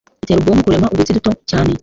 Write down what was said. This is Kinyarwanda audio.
itera ubwonko kurema udutsi duto cyane